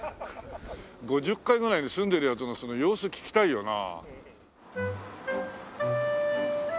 ５０階ぐらいに住んでる奴のその様子聞きたいよな。